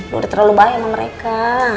udah terlalu bahaya sama mereka